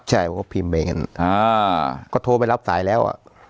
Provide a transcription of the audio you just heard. ใช่เพราะก็พิมพ์ไปกันก็โทรไปรับสายแล้ว